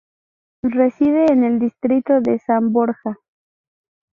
Reside en el distrito de San Borja.